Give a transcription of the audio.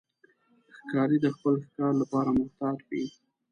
ښکاري د خپل ښکار لپاره محتاط وي.